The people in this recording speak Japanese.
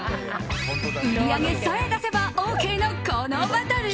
売り上げさえ出せばＯＫのこのバトル。